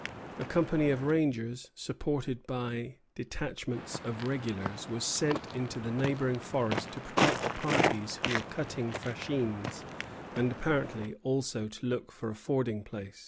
A company of rangers, supported by detachments of regulars, was sent into the neighboring forest to protect the parties who were cutting fascines, and apparently, also, to look for a fording place.